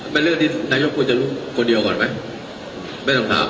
เป็นเรื่องที่นายกควรจะรู้คนเดียวก่อนไหมไม่ต้องถาม